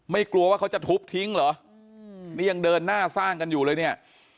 กลัวว่าเขาจะทุบทิ้งเหรอนี่ยังเดินหน้าสร้างกันอยู่เลยเนี่ย